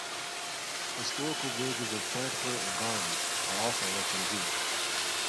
Historical villages of Pragpur and Garli are also located here.